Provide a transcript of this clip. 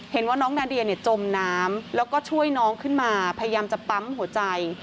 เห็นว่าน้องนาเดียเนี่ยจมน้ำแล้วก็ช่วยน้องขึ้นมาพยายามจะปั๊มหัวใจ